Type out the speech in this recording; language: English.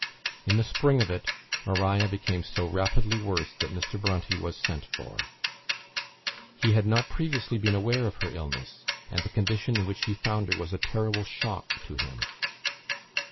In the spring of it, Maria became so rapidly worse that Mr. Bronte was sent for. He had not previously been aware of her illness, and the condition in which he found her was a terrible shock to him.